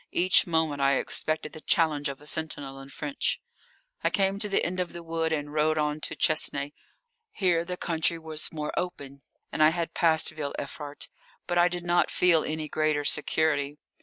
Each moment I expected the challenge of a sentinel in French. I came to the end of the wood and rode on to Chesnay. Here the country was more open, and I had passed Ville Evrart. But I did not feel any greater security.